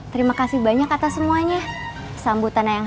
dek diana cocoknya sama lelaki yang sudah matang